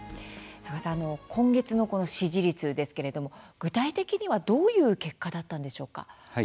曽我さん、今月の支持率ですけれども、具体的にはどういう結果だったのでしょうか。